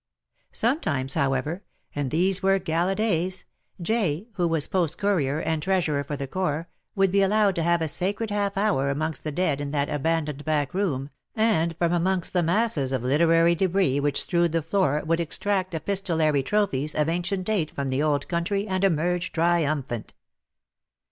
Sometimes, however — and these were gala days — J., who was post courier and treasurer to the Corps, would be allowed to have a sacred half hour amongst the dead in that abandoned back room, and from amongst the masses of literary debris which strewed the floor would extract epistolary trophies of ancient date from the old country and emerge triumphant.